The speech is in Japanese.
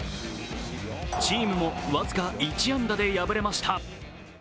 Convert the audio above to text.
チームも僅か１安打で敗れました。